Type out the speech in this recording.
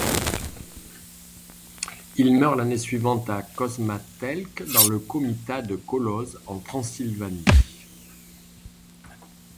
Il meurt l'année suivante à Kozmatelke, dans le comitat de Kolozs, en Transylvanie.